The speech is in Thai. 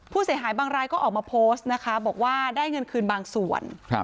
ผู้เสียหายบางรายก็ออกมาโพสต์นะคะบอกว่าได้เงินคืนบางส่วน